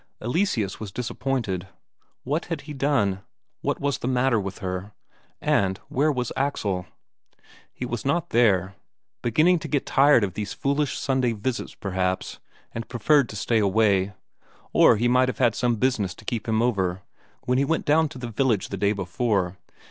Eleseus was disappointed. What had he done what was the matter with her? And where was Axel? He was not there. Beginning to get tired of these foolish Sunday visits, perhaps, and preferred to stay away; or he might have had some business to keep him over, when he went down to the village the day before.